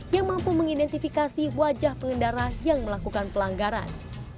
yang mampu mengidentifikasi wajah pengendara yang melakukan pelanggaran